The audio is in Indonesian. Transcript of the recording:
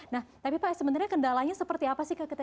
nah tapi pak sebenarnya kendalanya seperti apa sih ktt